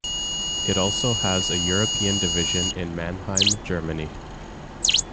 It also has a European division in Mannheim, Germany.